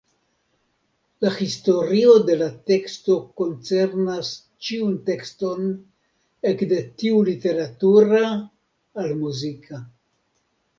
La historio de la teksto koncernas ĉiun tekston, ekde tiu literatura al muzika.